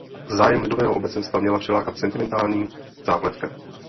Zájem lidového obecenstva měla přilákat sentimentální zápletka.